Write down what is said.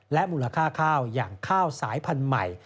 มูลค่าข้าวอย่างข้าวสายพันธุ์ใหม่